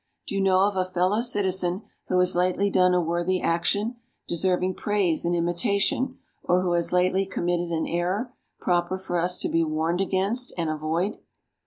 Do you know of a fellow citizen, who has lately done a worthy action, deserving praise and imitation; or who has lately committed an error, proper for us to be warned against and avoid?